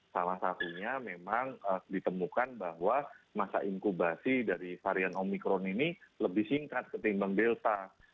salah satunya memang ditemukan bahwa masa inkubasi dari varian omikron ini lebih singkat ketimbang delta